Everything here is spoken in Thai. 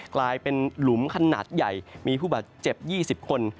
กลายเป็นหลุมขนาดใหญ่มีผู้บาดเจ็บ๒๐คน